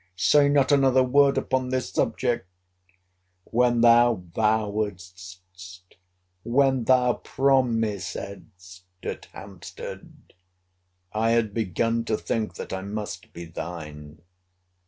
Say not another word upon this subject. When thou vowedst, when thou promisedst at Hampstead, I had begun to think that I must be thine.